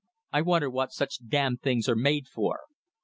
... I wonder what such damned things are made for!"